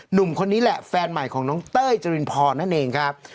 หนุ่มคนนี้แหละแฟนใหม่ของน้องเต้ยจรินพรนั่นเองครับ